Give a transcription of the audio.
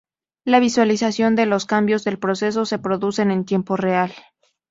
La visualización de los cambios del proceso se produce en tiempo real.